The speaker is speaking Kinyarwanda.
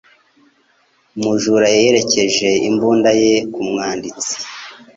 Umujura yerekeje imbunda ye ku mwanditsi